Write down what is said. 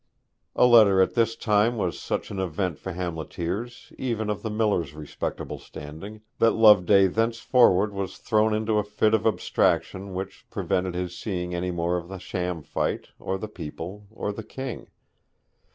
A letter at this time was such an event for hamleteers, even of the miller's respectable standing, that Loveday thenceforward was thrown into a fit of abstraction which prevented his seeing any more of the sham fight, or the people, or the King.